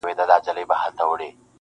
• بې څښلو مي مِزاج د مستانه دی..